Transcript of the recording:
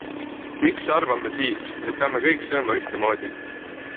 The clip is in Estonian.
Miks arvame siis, et peame kõik sööma ühtemoodi?